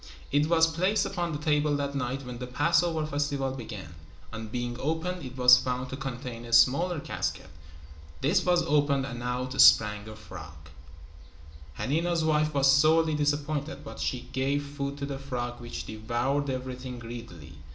It was placed upon the table that night when the Passover festival began. On being opened it was found to contain a smaller casket. This was opened and out sprang a frog. Hanina's wife was sorely disappointed, but she gave food to the frog which devoured everything greedily.